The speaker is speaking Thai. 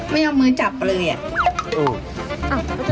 ไม่เอามือจับเลยอ่ะ